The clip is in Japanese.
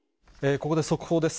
ここで速報です。